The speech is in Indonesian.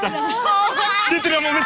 dia tidak mau mencet